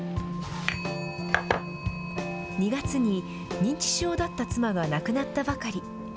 ２月に認知症だった妻が亡くなったばかり。